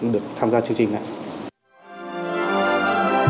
được tham gia chương trình này